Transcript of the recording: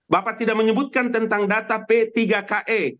bapak tidak menyebutkan tentang data p tiga ke